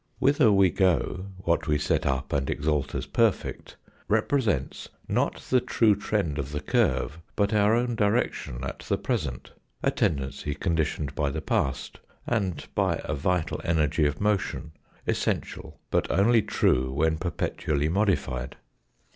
Whither we go, what we set up and exalt as perfect, represents not the true trend of the curve, but our own direction at the present a tendency conditioned by the past, and by a vital energy of motion essential but only true when perpetually modified.